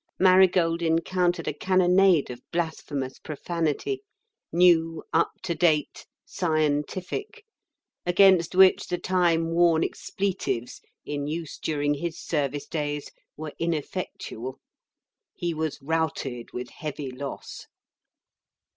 Marigold encountered a cannonade of blasphemous profanity, new, up to date, scientific, against which the time worn expletives in use during his service days were ineffectual. He was routed with heavy loss.